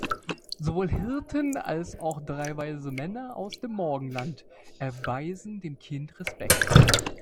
Sowohl Hirten, als auch drei weise Männer aus dem Morgenland erweisen dem Kind Respekt.